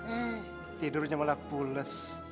eh tidurnya malah pulas